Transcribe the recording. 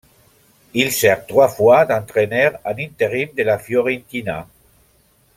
Il sert trois fois d'entraîneur en intérim de la Fiorentina.